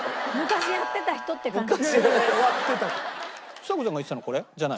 ちさ子ちゃんが言ってたのこれ？じゃない？